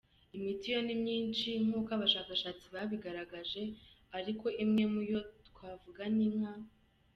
Imiti yo ni myinshi nkuko abashakashatsi babigaragaje ariko imwe mu yo twavuga ni nka:.